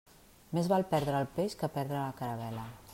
Més val perdre el peix que perdre la caravel·la.